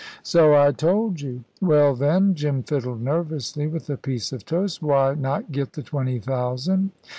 "So I told you." "Well, then," Jim fiddled nervously with a piece of toast, "why not get the twenty thousand?"